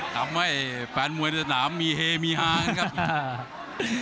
ทำให้แฟนมวยในสนามมีเฮมีฮานะครับ